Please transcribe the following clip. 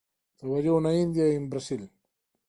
Traballou na India e en Brasil.